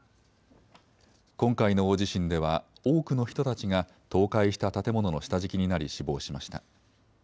今回の大地震では多くの人たちが倒壊した建物の下敷きになり死亡しました。